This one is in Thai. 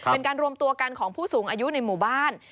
เป็นการรวมตัวกันของผู้สูงอายุในหมู่บ้าน